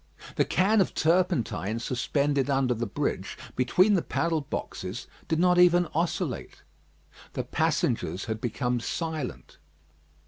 The can of turpentine suspended under the bridge, between the paddle boxes, did not even oscillate. The passengers had become silent.